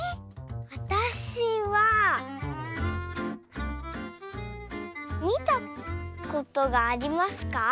わたしはみたことがありますか？